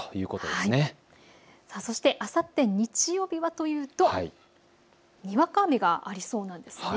そして、あさって日曜日はというとにわか雨がありそうです。